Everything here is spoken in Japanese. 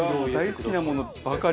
大好きなものばかり！